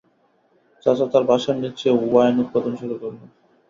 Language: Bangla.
চাচা তার বাসার নিচে ওয়াইন উৎপাদন শুরু করল।